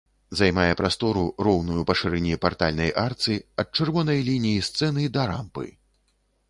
Займае прастору, роўную па шырыні партальнай арцы, ад чырвонай лініі сцэны да рампы.